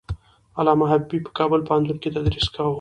علامه حبيبي په کابل پوهنتون کې تدریس کاوه.